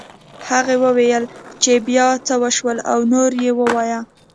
هغې وویل چې بيا څه وشول او نور یې ووایه